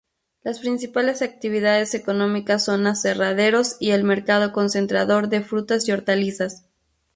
Las principales actividades económicas son aserraderos y el mercado concentrador de frutas y hortalizas.